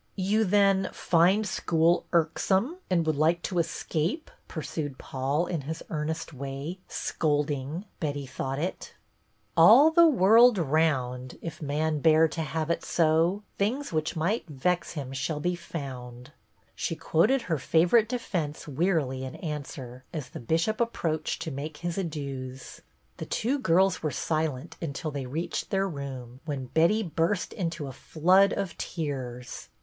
"You, then, find school irksome, and would like to escape ?" pursued Paul, in his earnest way ; scolding, Betty thought it. 154 BETTY BAIRD ' all the world round, If man bear to have it so, Things which might vex him shall be found/" she quoted her favorite defence wearily in answer, as the Bishop approaclied to make his adieus. The two girls were silent until they reached their room, when Betty burst into a flood of tears.